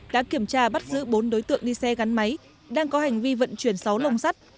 đã kiểm tra bắt giữ bốn đối tượng đi xe gắn máy đang có hành vi vận chuyển sáu lồng sắt